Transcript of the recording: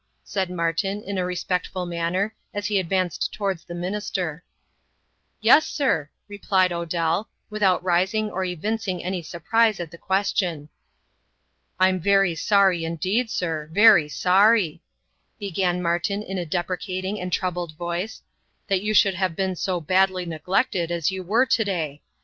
said Martin, in a respectful manner, as he advanced towards the minister. "Yes, sir," replied Odell, without rising or evincing any surprise at the question. "I am very sorry indeed, sir! very sorry," began Martin in a deprecating and troubled voice, "that you should have been so badly neglected as you were to day.